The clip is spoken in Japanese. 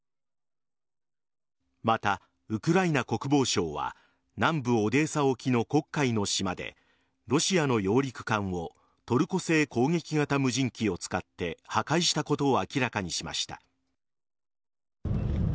また、ウクライナ国防省は南部・オデーサ沖の黒海の島でロシアの揚陸艦をトルコ製攻撃型無人機を使って破壊したことを明らかにしました。